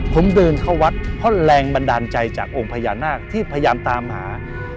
ผมเดินเข้าวัดเพราะแรงบันดาลใจจากองค์พญานาคที่พยายามตามหา